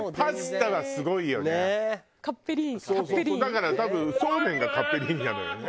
だから多分そうめんがカッペリーニなのよね。